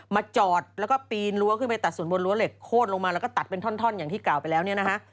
จอดแล้วก็ปีนรั้วขึ้นไปตัดส่วนบนรั้วเหล็กโคตรลงมาแล้วก็ตัดเป็นท่อนอย่างที่กล่าวไปแล้วเนี่ยนะฮะ